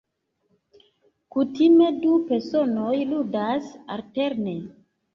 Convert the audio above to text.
Kutime, du personoj ludas alterne.